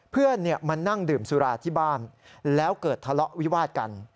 เพื่อนมานั่งดื่มสุราที่บ้านแล้วเกิดทะเลาะวิวาดกัน